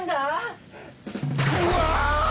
うわ！